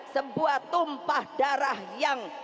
sebuah tumpah darah yang